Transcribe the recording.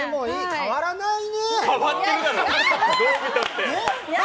変わらないよ。